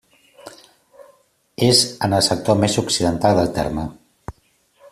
És en el sector més occidental del terme.